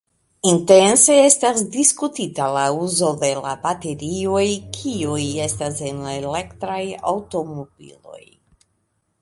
Intense estas diskutita la uzo de la baterioj, kiuj estas en elektraj aŭtomobiloj.